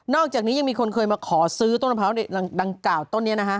อกจากนี้ยังมีคนเคยมาขอซื้อต้นมะพร้าวดังกล่าวต้นนี้นะฮะ